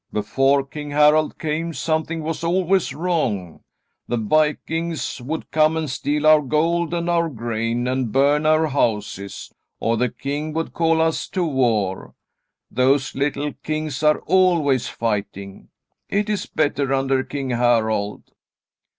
Before King Harald came, something was always wrong. The vikings would come and steal our gold and our grain and burn our houses, or the king would call us to war. Those little kings are always fighting. It is better under King Harald."